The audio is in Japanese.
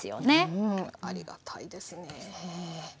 うんありがたいですね。